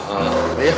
ya bismillah aja